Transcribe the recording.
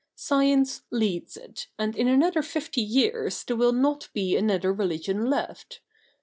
Science leads it, and in another fifty years there will not be another religion left.